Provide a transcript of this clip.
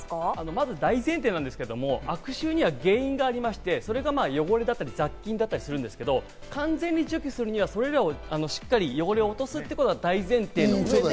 まず大前提ですけど、悪臭には原因がありまして、汚れだったり雑菌だったりするんですけど、完全に除去するには、それらをしっかり汚れを落とすことが大前提。